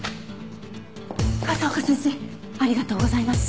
風丘先生ありがとうございます！